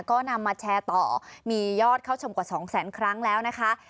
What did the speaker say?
ก็นำมาแชร์ต่อมียอดเข้าชมกว่าสองแสนครั้งแล้วนะคะ